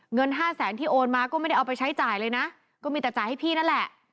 เงินห้าแสนที่โอนมาก็ไม่ได้เอาไปใช้จ่ายเลยนะก็มีแต่จ่ายให้พี่นั่นแหละ